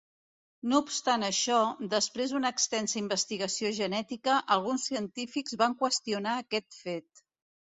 No obstant això, després d'una extensa investigació genètica, alguns científics van qüestionar aquest fet.